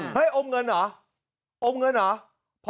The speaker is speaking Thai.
อมเงินเหรออมเงินเหรอ